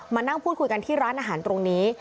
มานั่งพูดคุยกันที่ร้านอาหารตรงนี้